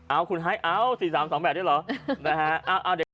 เอาคุณเอาสี่สามสองแปดด้วยเหรอ